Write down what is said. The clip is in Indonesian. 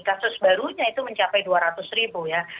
kasus barunya itu mencapai dua ratus ribu ya